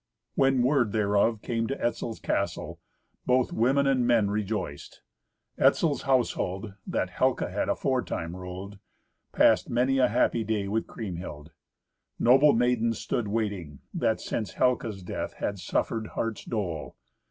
When word thereof came to Etzel's castle, both women and men rejoiced. Etzel's household, that Helca had aforetime ruled, passed many a happy day with Kriemhild. Noble maidens stood waiting, that since Helca's death had suffered heart's dole.